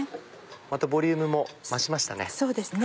またボリュームも増しましたね。